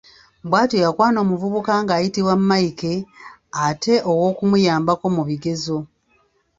Bw’atyo yakwana omuvubuka ng’ayitibwa Mike ate ow’okumuyambako mu bigezo.